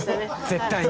絶対に！